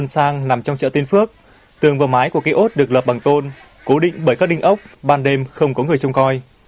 công an huyện tiên phước đang nằm trong chợ tiên phước tường và mái của ký ốt được lập bằng tôn cố định bởi các đinh ốc ban đêm không có người trông coi